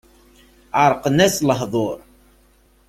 Ɛerqen-as lehdur.